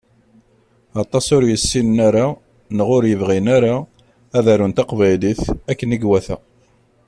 Aṭas ur yessinen ara neɣ ur yebɣin ara ad arun taqbaylit akken i iwata